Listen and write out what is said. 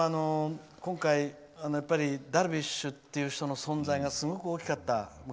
今回ダルビッシュという人の存在がすごく大きかった。